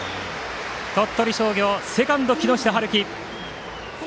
鳥取商業、セカンドの木下晴輝。